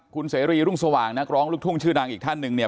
คุณเสรีรุ่งสว่างนักร้องลูกทุ่งชื่อดังอีกท่านหนึ่งเนี่ย